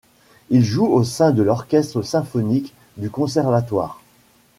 Il joue au sein de l'orchestre symphonique du conservatoire.